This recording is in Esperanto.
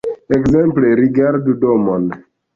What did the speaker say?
Ekzemple rigardu domon.